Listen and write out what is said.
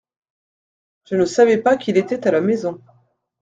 Je ne savais pas qu’il était à la maison.